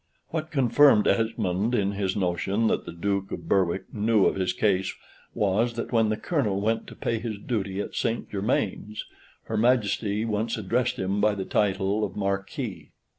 What confirmed Esmond in his notion that the Duke of Berwick knew of his case was, that when the Colonel went to pay his duty at St. Germains, her Majesty once addressed him by the title of Marquis.